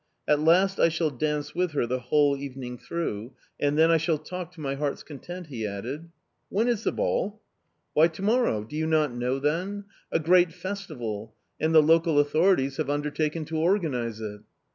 "At last I shall dance with her the whole evening through... And then I shall talk to my heart's content," he added. "When is the ball?" "Why, to morrow! Do you not know, then? A great festival and the local authorities have undertaken to organize it"...